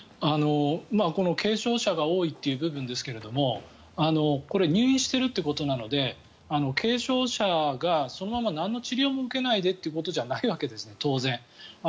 この軽症者が多いという部分ですがこれ、入院しているということなので軽症者がそのまま何の治療も受けないでということじゃないわけです当然。